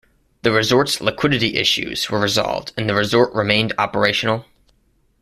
The resort's liquidity issues were resolved and the resort remained operational.